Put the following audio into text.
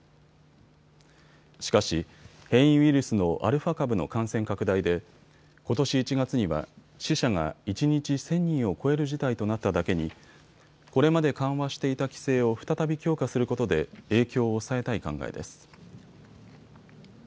しかし変異ウイルスのアルファ株の感染拡大でことし１月には死者が一日１０００人を超える事態となっただけにこれまで緩和していた規制を再び強化することで影響を抑えたい考えです。